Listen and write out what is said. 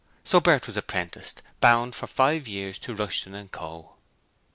So Bert was apprenticed bound for five years to Rushton & Co.